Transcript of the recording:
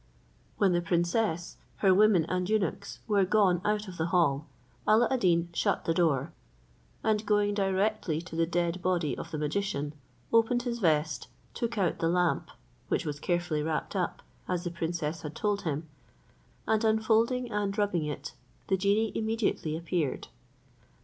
When the princess, her women and eunuchs, were gone out of the hall, Alla ad Deen shut the door, and going directly to the dead body of the magician, opened his vest, took out the lamp, which was carefully wrapped up, as the princess had told him, and unfolding and rubbing it, the genie immediately appeared.